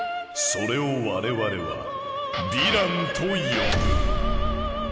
それを我々は「ヴィラン」と呼ぶ。